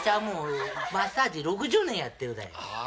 もうマッサージ６０年やってるだよ。